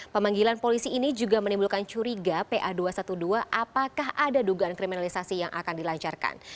pemanggilan polisi ini juga menimbulkan curiga pa dua ratus dua belas apakah ada dugaan kriminalisasi yang akan dilancarkan